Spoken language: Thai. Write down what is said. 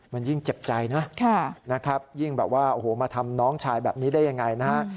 มันยิ่งเจ็บใจนะยิ่งแบบว่าโอ้โหมาทำน้องชายแบบนี้ได้อย่างไร